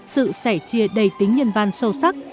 sự sẻ chia đầy tính nhân văn sâu